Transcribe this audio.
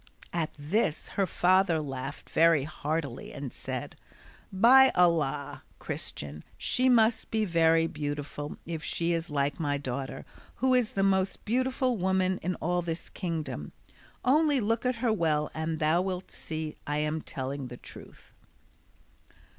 At this her father laughed very heartily and said, "By Allah, Christian, she must be very beautiful if she is like my daughter, who is the most beautiful woman in all this kingdom: only look at her well and thou wilt see I am telling the truth."